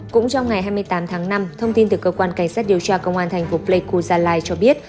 cũng trong ngày hai mươi tám tháng năm thông tin từ cơ quan cảnh sát điều tra công an thành phố pleiku gia lai cho biết